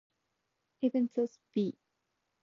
Even though Vi.